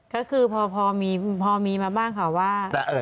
ก็คือพอมีมาบ้างค่ะว่า